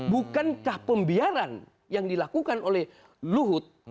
bukankah pembiaran yang dilakukan oleh luhut